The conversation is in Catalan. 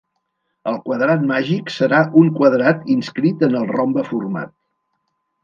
El quadrat màgic serà un quadrat inscrit en el rombe format.